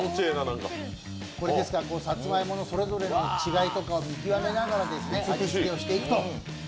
さつまいものそれぞれの違いとかを見極めながら味付けをしていくと。